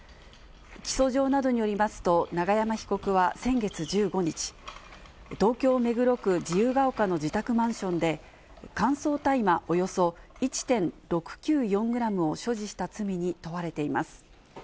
起訴状などによりますと、永山被告は先月１５日、東京・目黒区自由が丘の自宅マンションで、乾燥大麻およそ１．６９４グラムを所持した罪に問われています。